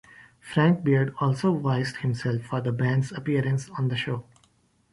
Frank Beard also voiced himself for the band's appearances on the show.